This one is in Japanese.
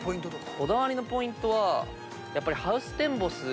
こだわりのポイントはやっぱり。